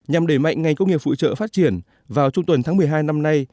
vào đề mạnh ngành công nghiệp phụ trợ phát triển vào trung tuần tháng một mươi hai năm nay